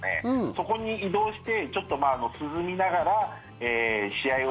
そこに移動してちょっと涼みながら試合を。